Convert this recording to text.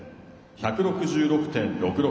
１６６．６６。